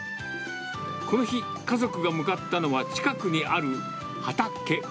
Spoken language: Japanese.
この日、家族が向かったのは近くにある畑。